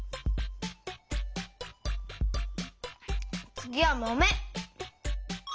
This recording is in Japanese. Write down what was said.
つぎはまめ！